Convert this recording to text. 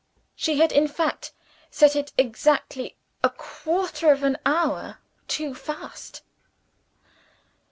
She had, in fact, set it exactly _a quarter of an hour too fast.